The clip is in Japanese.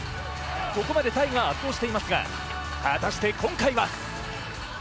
ここまでタイが圧倒していますが果たして今回は？